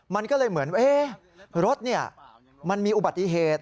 มันก็เลยเหมือนรถมันมีอุบัติเหตุ